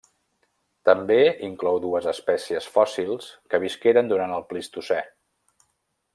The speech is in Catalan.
També inclou dues espècies fòssils que visqueren durant el Plistocè.